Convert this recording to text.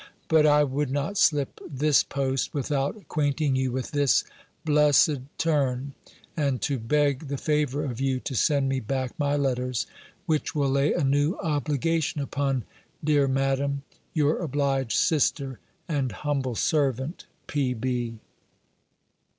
But I would not slip this post, without acquainting you with this blessed turn; and to beg the favour of you to send me back my letters; which will lay a new obligation upon, dear Madam, your obliged sister, and humble servant, P.B.